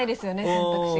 選択肢が。